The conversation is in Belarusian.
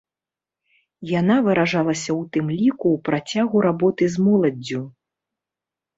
Яна выражалася ў тым ліку ў працягу работы з моладдзю.